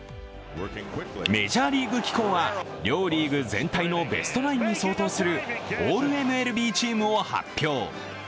メジャーリーグ機構は両リーグ全体のベストナインに相当するオールＭＬＢチームを発表。